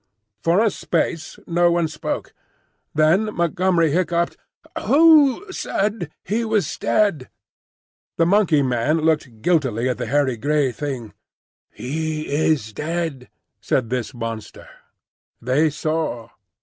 For a space no one spoke. Then Montgomery hiccoughed, "Who—said he was dead?" The Monkey man looked guiltily at the hairy grey Thing. "He is dead," said this monster. "They saw."